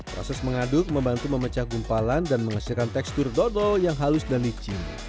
proses mengaduk membantu memecah gumpalan dan menghasilkan tekstur dodol yang halus dan licin